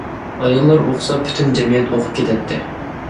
ئاياللار ئۇقسا پۈتۈن جەمئىيەت ئۇقۇپ كېتەتتى.